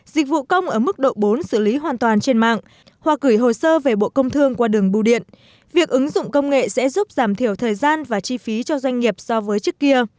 dịch vụ công ở mức độ bốn xử lý hoàn toàn trên mạng hoặc gửi hồ sơ về bộ công thương qua đường bưu điện việc ứng dụng công nghệ sẽ giúp giảm thiểu thời gian và chi phí cho doanh nghiệp so với trước kia